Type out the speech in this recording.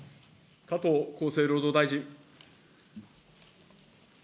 加藤厚生労働大臣。